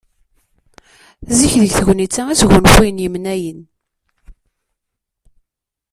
Zik deg tegnit-a i sgunfuyen yemnayen.